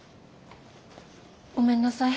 ごめんなさい。